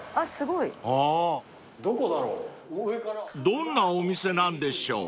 ［どんなお店なんでしょう？］